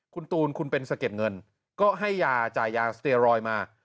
คุณตูนคุณเป็นสะเก็ดเงินก็ให้ยาจ่ายยาสเตียรอยด์มา